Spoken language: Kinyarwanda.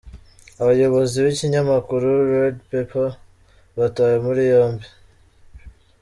Abayobozi b’ikinyamakuru “Red Pepper ” batawe muri yombi.